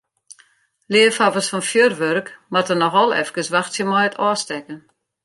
Leafhawwers fan fjurwurk moatte noch al efkes wachtsje mei it ôfstekken.